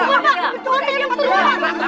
angkat sesini ya